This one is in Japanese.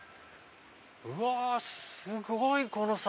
うわすごいこの坂！